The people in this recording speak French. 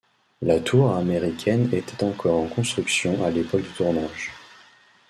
La tour américaine était encore en construction à l'époque du tournage.